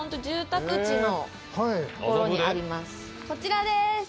こちらでーす。